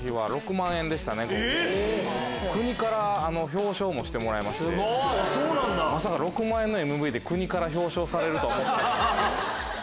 国から表彰もしてもらいましてまさか６万円のＭＶで国から表彰されるとは思ってなかった。